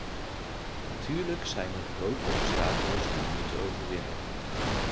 Natuurlijk zijn er grote obstakels die we moeten overwinnen.